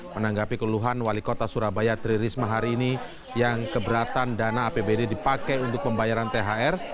menanggapi keluhan wali kota surabaya tri risma hari ini yang keberatan dana apbd dipakai untuk pembayaran thr